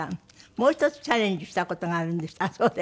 もう１つチャレンジした事があるんだそうで。